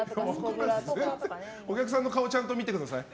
お客さんの顔ちゃんと見てください。